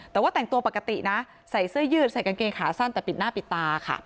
แต่ว่าแต่งตัวปกตินะใส่เสื้อยืดใส่กางเกงขาสั้นแต่ปิดหน้าปิดตาค่ะ